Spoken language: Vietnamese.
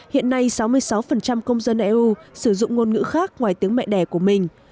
hiện nay sáu mươi sáu công dân eu sử dụng ngôn ngữ khác ngoài tiếng mẹ đẻ của mình